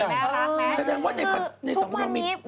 แสดงว่าในสังคมไทยมี